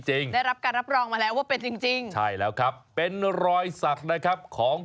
ได้รับการรับรองมาแล้วว่าเป็นจริง